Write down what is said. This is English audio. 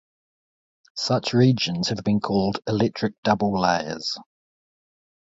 Such regions have been called "electric double layers".